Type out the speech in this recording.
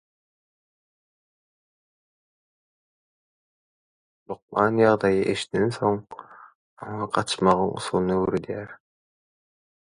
Dogtor ýagdaýy eşidensoň oňa gaçmagyň usulyny öwredýär.